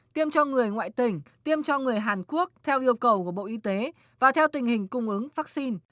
tiêm cho người ngoại tỉnh tiêm cho người hàn quốc theo yêu cầu của bộ y tế và theo tình hình cung ứng vaccine